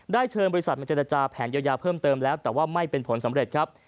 เชิญบริษัทมาเจรจาแผนเยียวยาเพิ่มเติมแล้วแต่ว่าไม่เป็นผลสำเร็จครับ